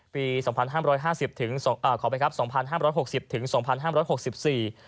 สองพันห้ามร้อยห้าสิบถึงสองอ่าขอไปครับสองพันห้ามร้อยหกสิบถึงสองพันห้ามร้อยหกสิบสี่